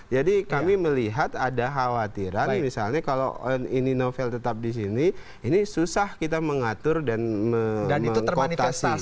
jadi kami melihat ada khawatiran misalnya kalau novel ini tetap di sini ini susah kita mengatur dan mengotasi